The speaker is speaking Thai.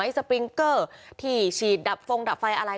สปริงเกอร์ที่ฉีดดับฟงดับไฟอะไร